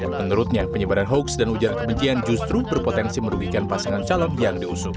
menurutnya penyebaran hoaks dan ujaran kebencian justru berpotensi merugikan pasangan calon yang diusung